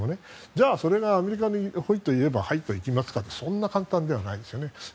じゃあ、それがアメリカが言えばはいっといきますかというとそんなに簡単ではないですよね。